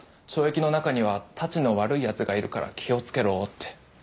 懲役の中にはたちの悪い奴がいるから気をつけろって。